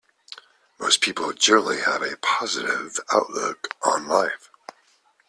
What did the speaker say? Most people generally have a positive outlook on life.